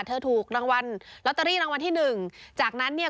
ถูกรางวัลลอตเตอรี่รางวัลที่หนึ่งจากนั้นเนี่ย